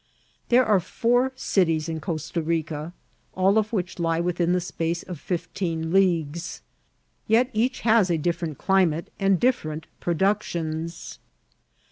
There are four cities in Costa Bica, all of which lie within the space of fifteen leagues; yet eadi has a dif* ferent climate and different productions.